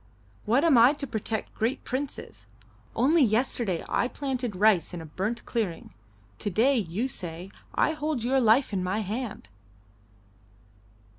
What am I to protect great princes? Only yesterday I planted rice in a burnt clearing; to day you say I hold your life in my hand."